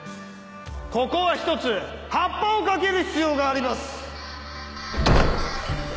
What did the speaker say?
ここは一つ発破を掛ける必要があります！